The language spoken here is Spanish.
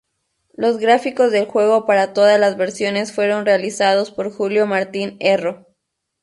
Los gráficos del juego para todas las versiones fueron realizados por Julio Martín Erro.